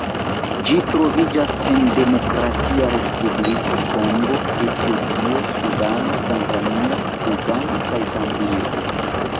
Ĝi troviĝas en Demokratia Respubliko Kongo, Etiopio, Sudano, Tanzanio, Ugando kaj Zambio.